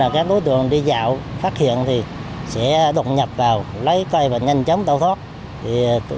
các đối tượng đi dạo phát hiện thì sẽ đột nhập vào lấy cây và nhanh chóng tẩu thoát